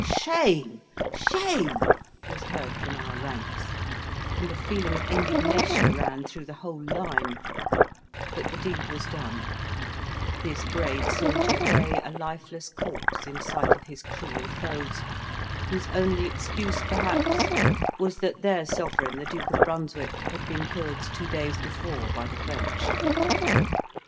"Shame! shame!" was heard from our ranks, and a feeling of indignation ran through the whole line; but the deed was done: this brave soldier lay a lifeless corpse in sight of his cruel foes, whose only excuse perhaps was that their sovereign, the Duke of Brunswick, had been killed two days before by the French.